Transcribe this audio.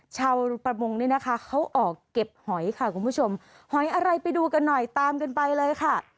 ชาวประมงนี่นะคะเขาออกเก็บหอยค่ะคุณผู้ชมหอยอะไรไปดูกันหน่อยตามกันไปเลยค่ะ